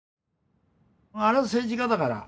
あれは政治家だから。